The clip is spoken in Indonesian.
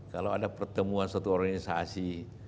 kalau ada pertemuan suatu organisasi